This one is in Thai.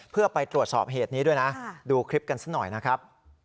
เพื่อไปตรวจสอบเหตุนี้ด้วยนะดูคลิปกันสักหน่อยนะครับ